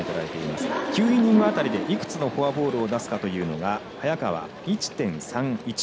９イニング辺りでいくつのフォアボールを出すかというのが早川、１．３１。